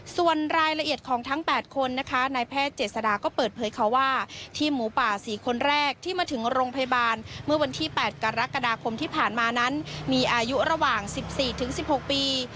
ส่วนรายละเอียดของทั้ง๘คนนะคะนายแพทย์เจษฎาก็เปิดเผยค่ะว่าทีมหมูป่า๔คนแรกที่มาถึงโรงพยาบาลเมื่อวันที่๘กรกฎาคมที่ผ่านมานั้นมีอายุระหว่าง๑๔๑๖ปี